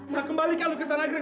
ma kembalikan lukisan anggrek